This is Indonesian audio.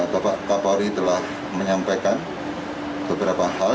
bapak kapolri telah menyampaikan beberapa hal